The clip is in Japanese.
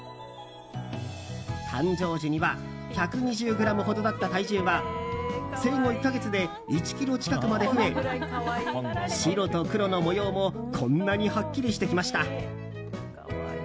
誕生時には１２０ｇほどだった体重は生後１か月で１ｋｇ近くまで増え白と黒の模様もこんなにはっきりしてきました。